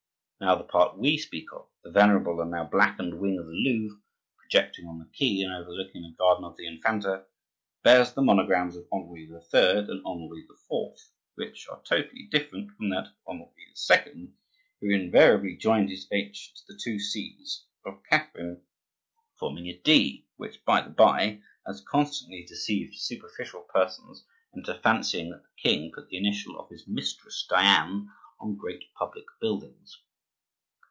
Now the part we speak of, the venerable and now blackened wing of the Louvre, projecting on the quay and overlooking the garden of the Infanta, bears the monograms of Henri III. and Henri IV., which are totally different from that of Henri II., who invariably joined his H to the two C's of Catherine, forming a D,—which, by the bye, has constantly deceived superficial persons into fancying that the king put the initial of his mistress, Diane, on great public buildings.